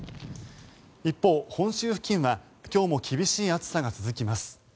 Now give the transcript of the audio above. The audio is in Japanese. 一方、本州付近は今日も厳しい暑さが続きます。